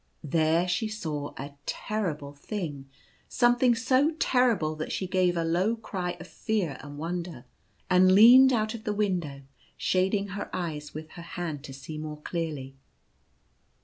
There she saw a terrible thing — some thing so terrible that she gave a low cry of fear and wonder, and leaned out of the window, shading her eyes with her hand to see more clearly.